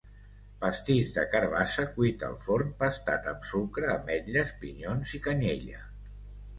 Pastís de carabassa cuit al forn, pastat amb sucre, ametlles, pinyons i canyella.